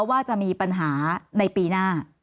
ว่าจะมีปัญหาในปีหน้า